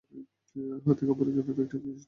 হাতে কাপড়ে জড়ানো একটা জিনিস নিয়ে?